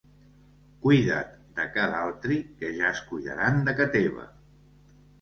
Cuida't de ca d'altri, que ja es cuidaran de ca teva.